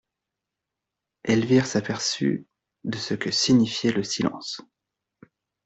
Elvire s'aperçut de ce que signifiait le silence.